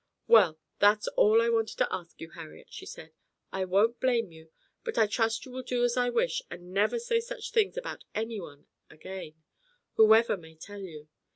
"Well, that's all I wanted to ask you, Harriet," she said. "I won't blame you, but I trust you will do as I wish, and never say such things about any one again, whoever may tell you.